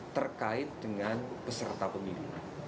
terkait dengan peserta pemilu